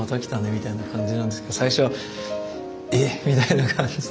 みたいな感じなんですけど最初は「え？」みたいな感じで。